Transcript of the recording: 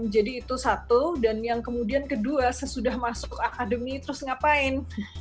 jadi itu satu dan yang kemudian kedua sesudah masuk akademi terus ngapain